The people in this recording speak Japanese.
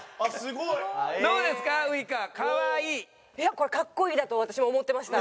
これ「かっこいい」だと私も思ってました。